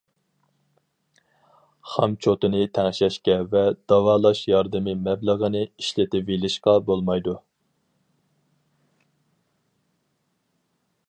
خام چوتىنى تەڭشەشكە ۋە داۋالاش ياردىمى مەبلىغىنى ئىشلىتىۋېلىشقا بولمايدۇ.